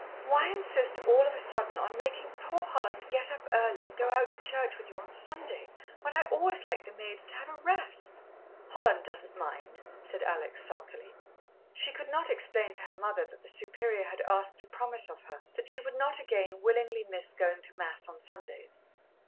Why insist all of a sudden on makin' poor Holland get up early and go out to church with you on Sunday, when I always like the maids to have a rest?" "Holland doesn't mind," said Alex sulkily. She could not explain to her mother that the Superior had asked a promise of her that she would not again willingly miss going to Mass on Sundays.